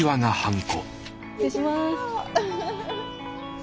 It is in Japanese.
失礼します。